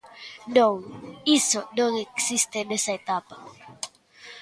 Non, iso non existe nesa etapa.